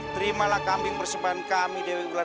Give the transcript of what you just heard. terimalah kambing persembahan kami dewi gulat